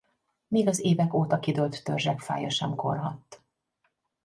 Még az évek óta kidőlt törzsek fája sem korhadt.